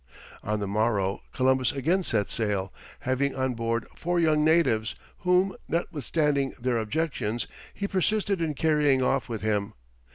On the morrow Columbus again set sail, having on board four young natives, whom, notwithstanding their objections, he persisted in carrying off with him.